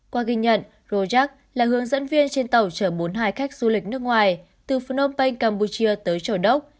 qua ghi nhận rojak là hướng dẫn viên trên tàu chở bốn mươi hai khách du lịch nước ngoài từ phnom penh campuchia tới châu đốc